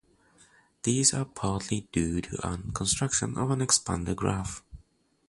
These are partly due to a construction of an expander graph.